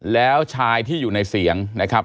แล้วชายที่อยู่ในเสียงนะครับ